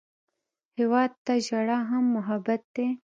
هېواد ته ژړا هم محبت دی